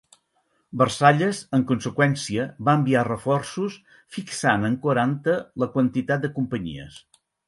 Versalles, en conseqüència, va enviar reforços, fixant en quaranta la quantitat de companyies.